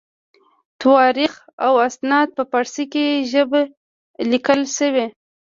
تواریخ او اسناد په فارسي ژبه لیکل شوي.